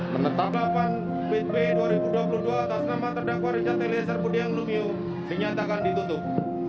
menetapkan delapan februari dua ribu dua puluh dua atas nama terdakwa richard elie serpudian lumiu dinyatakan ditutup